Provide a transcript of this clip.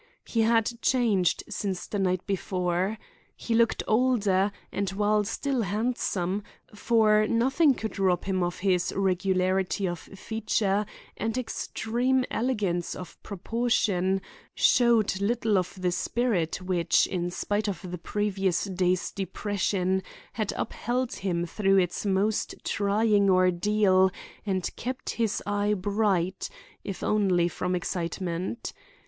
He had changed since the night before. He looked older, and while still handsome, for nothing could rob him of his regularity of feature and extreme elegance of proportion, showed little of the spirit which, in spite of the previous day's depression, had upheld him through its most trying ordeal and kept his eye bright, if only from excitement.